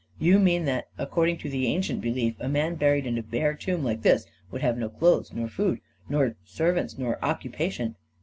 "You mean that, according to the ancient belief, a man buried in a bare tomb like this would have no clothes, nor food, nor serv ants, nor occupation